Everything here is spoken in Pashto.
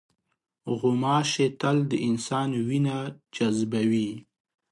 غوماشې تل د انسان وینه جذبوي.